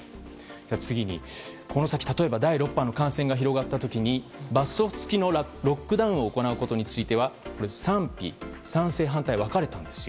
次にこの先、例えば第６波の感染が広がったときに罰則付きのロックダウンを行うことについては賛成反対が分かれたんです。